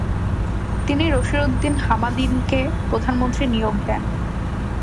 তিনি রশিদউদ্দিন হামাদানিকে প্রধানমন্ত্রী নিয়োগ দেন।